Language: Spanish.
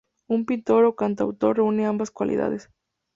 Un pintor o un cantautor reúnen ambas cualidades.